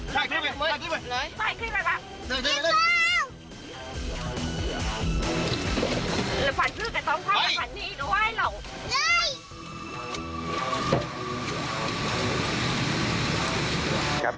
สวัสดีครับ